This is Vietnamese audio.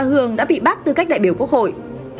bà hường đã bị bắt tư cách đại biểu quốc hội